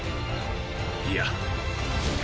いや。